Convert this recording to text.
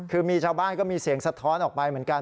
คือมีชาวบ้านก็มีเสียงสะท้อนออกไปเหมือนกัน